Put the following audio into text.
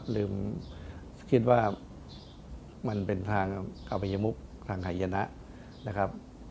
ลืมคิดว่ามันเป็นทางกระพยมุกทางหายนะ